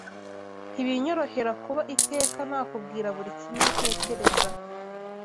Ntibinyorohera kuba iteka nakubwira buri kimwe ntekereza